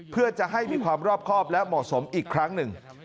เพื่อจะให้มีความรอบครอบและเหมาะสมอีกครั้งหนึ่ง